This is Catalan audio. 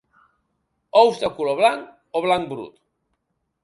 Ous de color blanc o blanc brut.